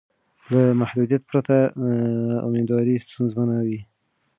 له محدودیت پرته میندواري ستونزمنه وي.